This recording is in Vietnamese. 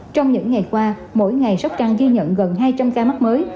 trong những ngày qua mỗi ngày sóc trăng ghi nhận gần hai trăm linh ca mắc mới